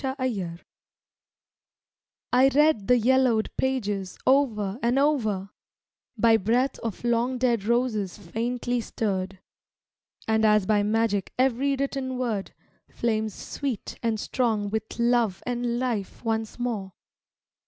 ©lb Xetters READ the yellowed pages o'er and o'er, By breath of long dead roses faintly stirred; And as by magic every written word Flames sweet and strong with love and life once more.